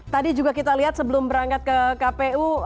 tadi juga kita lihat sebelum berangkat ke kpu